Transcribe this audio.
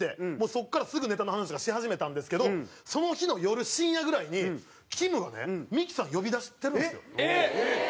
そこからすぐネタの話とかし始めたんですけどその日の夜深夜ぐらいにきむがねミキさん呼び出してるんですよ。